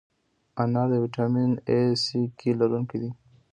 انار د ویټامین A، C، K لرونکی دی.